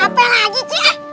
apa lagi cik